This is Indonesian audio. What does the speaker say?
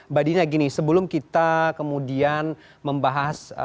mbak dina gini sebelum kita kemudian membahas